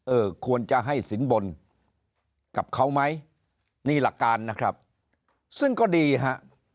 เออควรจะให้สินบนกับเขาไหมนี่หลักการนะครับซึ่งก็ดีฮะ